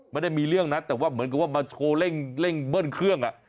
ไม่ได้มีเรื่องนะแต่ว่าเหมือนกับว่ามาโชว์เร่งเบิ้ลเครื่อง